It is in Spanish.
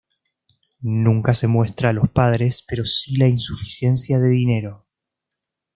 Nunca se muestra a los padres, pero si la insuficiencia de dinero.